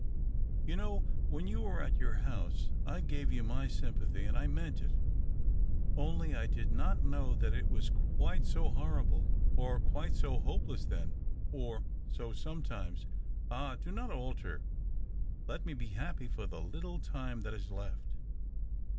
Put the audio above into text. You know, when you were at your house, I gave you my sym pathy, and I meant it. Only, I did not know that it was quite so horrible or quite so hope less then, and so, sometimes "" Ah ! Do not alter ! Let me be happy for the little time that is left